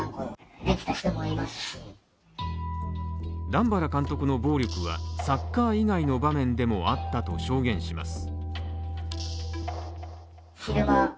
段原監督の暴力はサッカー以外の場面でもあったと証言します。